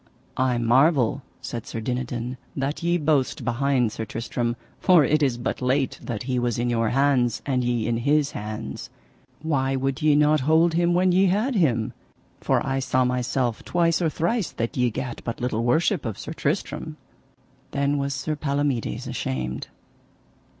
I marvel, said Sir Dinadan, that ye boast behind Sir Tristram, for it is but late that he was in your hands, and ye in his hands; why would ye not hold him when ye had him? for I saw myself twice or thrice that ye gat but little worship of Sir Tristram. Then was Sir Palomides ashamed.